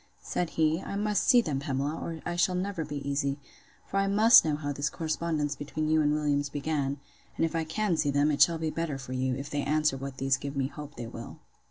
Said he, I must see them, Pamela, or I shall never be easy; for I must know how this correspondence between you and Williams began: and if I can see them, it shall be better for you, if they answer what these give me hope they will.